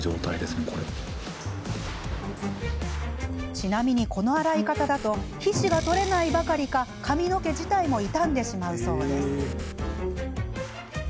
ちなみに、この洗い方だと皮脂が取れないばかりか髪の毛自体も傷んでしまうそうです。